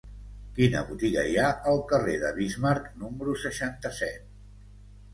Quina botiga hi ha al carrer de Bismarck número seixanta-set?